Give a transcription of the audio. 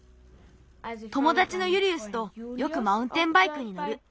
ともだちのユリウスとよくマウンテンバイクにのる。